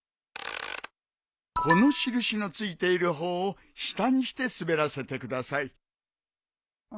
この印の付いている方を下にして滑らせてください。